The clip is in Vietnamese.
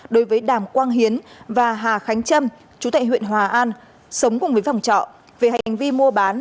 đối với đàm quang hiến và hà khánh trâm chú tại huyện hòa an sống cùng với phòng trọ về hành vi mua bán